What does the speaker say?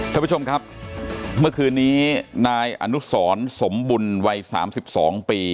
ท่านผู้ชมครับเมื่อคืนนี้นายอนุสรสมบุญวัย๓๒ปี